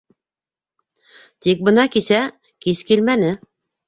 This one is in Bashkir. Тик бына кисә кис килмәне.